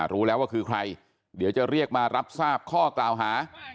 รู้แล้วว่าคือใครเดี๋ยวจะเรียกมารับทราบข้อกล่าวหา